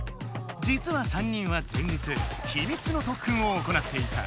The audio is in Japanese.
じつは３人は前日ひみつのとっくんを行っていた。